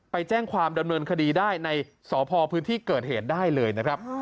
ไปแจ้งความดำเนินคดีได้ในสพพื้นที่เกิดเหตุได้เลยนะครับ